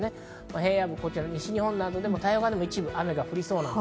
平野部、西日本など太平洋側でも一部雨が降りそうです。